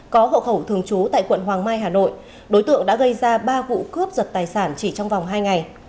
có hộ khẩu thường trú tại quận hoàng mai hà nội đối tượng đã gây ra ba vụ cướp giật tài sản chỉ trong vòng hai ngày